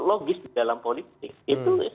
logis di dalam politik itu